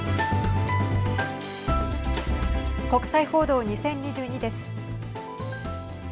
国際報道２０２２です。